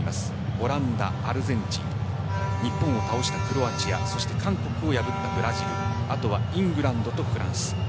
オランダ、アルゼンチン日本を倒したクロアチア韓国を破ったブラジルイングランドとフランス。